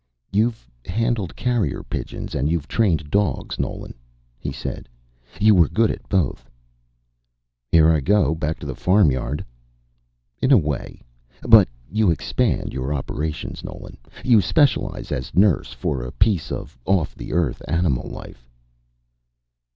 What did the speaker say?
"You've handled carrier pigeons and you've trained dogs, Nolan," he said. "You were good at both." "Here I go, back to the farm yard." "In a way. But you expand your operations, Nolan. You specialize as nurse for a piece of off the Earth animal life."